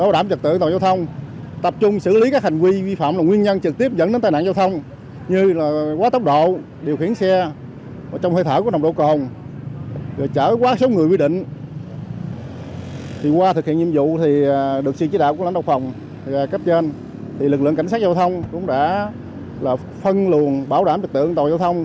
để phòng ngừa tai nạn giao thông lực lượng cảnh sát giao thông cũng đã phân luồn bảo đảm trật tự an toàn giao thông